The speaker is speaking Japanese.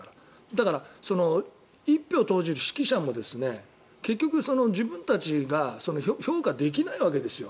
だから、１票を投じる識者も結局、自分たちが評価できないわけですよ。